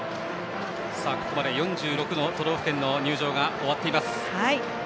ここまで４６の都道府県の入場が終わっています。